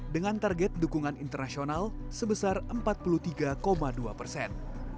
dengan target dukungan internasional sebesar empat puluh tiga dua persen